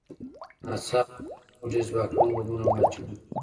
ناڅاپه الوتکو ډېر ځواکمن بمونه واچول